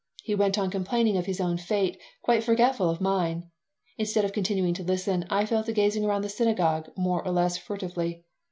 He went on complaining of his own fate, quite forgetful of mine. Instead of continuing to listen, I fell to gazing around the synagogue more or less furtively.